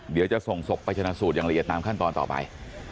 เดี๋ยวจะส่งศพไปชนะสูตรอย่างละเอียดตามขั้นตอนต่อไป